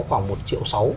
khoảng một triệu sáu